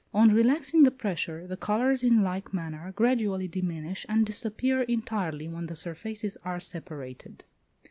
On relaxing the pressure, the colours, in like manner, gradually diminish, and disappear entirely when the surfaces are separated.